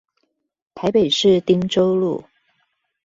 台北市汀州路